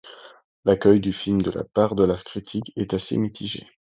L'accueil du film de la part de la critique est assez mitigé.